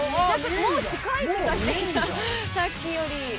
もう近い気がして来たさっきより。